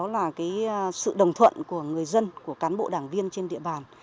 là sự đồng thuận của người dân của cán bộ đảng viên trên địa bàn